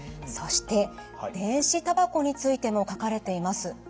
そして電子タバコについても書かれています。